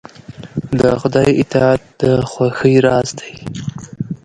د خدای اطاعت د خوښۍ راز دی.